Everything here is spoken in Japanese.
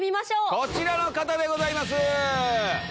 こちらの方でございます。